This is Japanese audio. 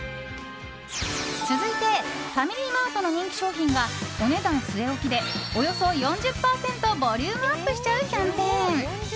続いて、ファミリーマートの人気商品がお値段据え置きで、およそ４０％ボリュームアップしちゃうキャンペーン。